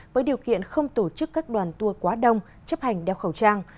với điều kiện không tổ chức các đoàn tour quá đông chấp hành đeo khẩu trang